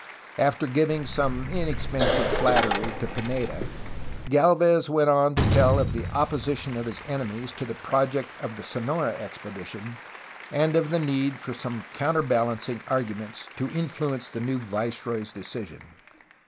After giving some inexpensive flattery to Pineda, Galvez went on to tell of the opposition of his enemies to the project of the Sonora expedition and of the need for some counterbalancing argu ments to influence the new viceroy's decision.